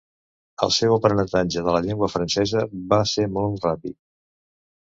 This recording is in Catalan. El seu aprenentatge de la llengua francesa va ser molt ràpid.